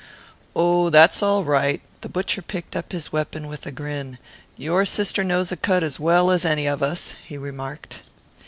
"Oh, that's all right." The butcher picked up his weapon with a grin. "Your sister knows a cut as well as any of us," he remarked.